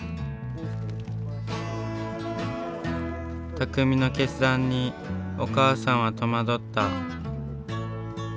たくみの決断にお母さんは戸惑った。